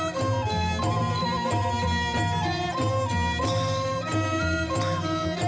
จริง